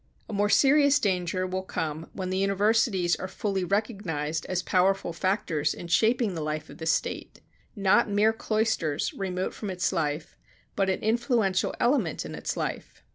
A more serious danger will come when the universities are fully recognized as powerful factors in shaping the life of the State not mere cloisters, remote from its life, but an influential element in its life.